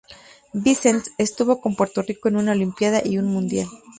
Vicens estuvo con Puerto Rico en una Olimpiada y un Mundial.